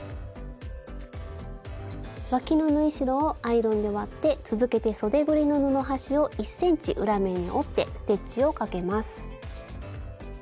わきの縫い代をアイロンで割って続けてそでぐりの布端を１ｃｍ裏面に折ってステッチをかけます。